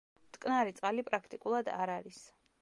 მტკნარი წყალი პრაქტიკულად არ არის.